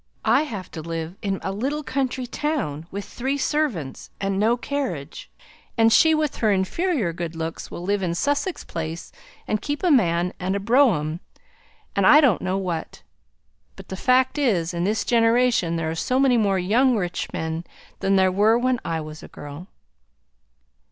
I have to live in a little country town with three servants, and no carriage; and she with her inferior good looks will live in Sussex Place, and keep a man and a brougham, and I don't know what. But the fact is, in this generation there are so many more rich young men than there were when I was a girl."